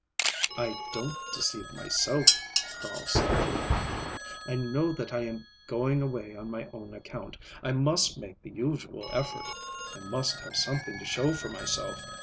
"I don't deceive myself," Carl said frankly. "I know that I am going away on my own account. I must make the usual effort. I must have something to show for myself.